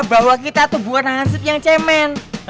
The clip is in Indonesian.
bahwa kita tuh bukan nasib yang cemen